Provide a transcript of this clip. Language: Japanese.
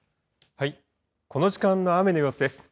この時間の雨の様子です。